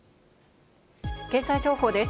経済情報です。